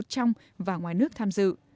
trong và ngoài nước tham dự